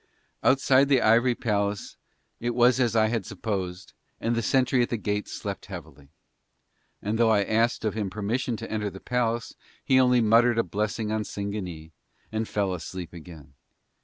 Outside the ivory palace it was as I had supposed and the sentry at the gate slept heavily; and though I asked of him permission to enter the palace he only muttered a blessing on Singanee and fell asleep again.